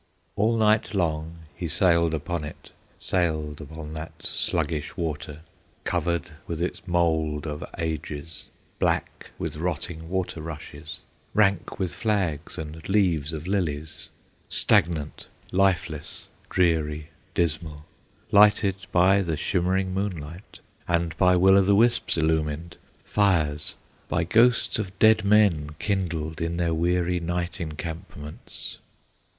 All night long he sailed upon it, Sailed upon that sluggish water, Covered with its mould of ages, Black with rotting water rushes, Rank with flags and leaves of lilies, Stagnant, lifeless, dreary, dismal, Lighted by the shimmering moonlight, And by will o' the wisps illumined, Fires by ghosts of dead men kindled, In their weary night encampments.